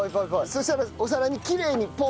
そしたらお皿にきれいにポンッて。